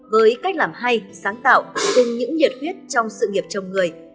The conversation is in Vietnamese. với cách làm hay sáng tạo cùng những nhiệt huyết trong sự nghiệp chồng người